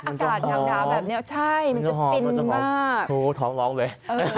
อากาศดาวแบบนี้ใช่มันจะฟินมากมันจะหอมท้องร้องเลย